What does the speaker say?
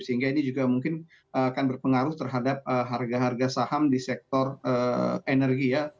sehingga ini juga mungkin akan berpengaruh terhadap harga harga saham di sektor energi ya